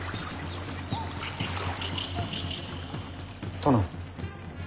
殿。